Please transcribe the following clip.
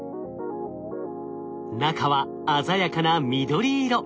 中は鮮やかな緑色。